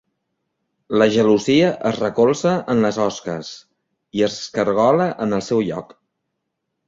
La gelosia es recolza en les osques i es caragola en el seu lloc.